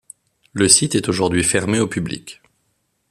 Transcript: Le site est aujourd'hui fermé au public.